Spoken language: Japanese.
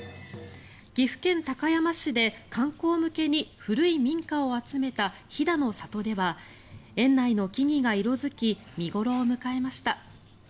岐阜県高山市で観光向けに古い民家を集めた飛騨の里では園内の木々が色付き見頃を迎えました。